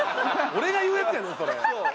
俺が言うやつやねんそれ！